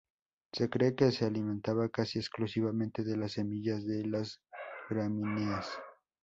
Se cree que se alimentaba casi exclusivamente de las semillas de las gramíneas.